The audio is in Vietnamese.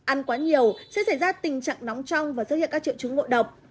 ăn quá nhiều sẽ xảy ra tình trạng nóng trong và xuất hiện các triệu chứng ngộ độc